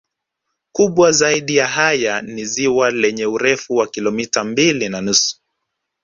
Kubwa zaidi ya haya ni ziwa lenye urefu wa kilometa mbili na nusu